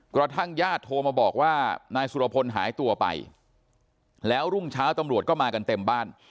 กระทั่งญาติโทรมาบอกว่านายสุรพลหายตัวไปแล้วรุ่งเช้าตำรวจก็มากันเต็มบ้าน